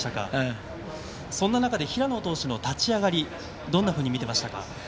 そんな中で平野投手の立ち上がりどんなふうに見てましたか？